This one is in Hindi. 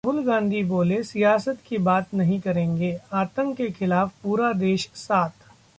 राहुल गांधी बोले- सियासत की बात नहीं करेंगे, आतंक के खिलाफ पूरा देश साथ